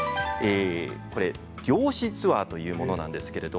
猟師ツアーというものです。